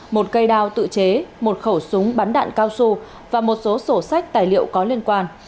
một cây đao tự chế một khẩu súng bắn đạn cao su và một số sổ sách tài liệu có liên quan